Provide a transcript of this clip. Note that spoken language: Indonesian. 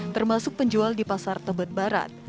termasuk penjual di pasar tebet barat